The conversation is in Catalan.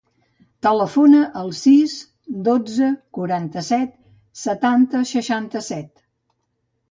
Telefona al sis, dotze, quaranta-set, setanta, seixanta-set.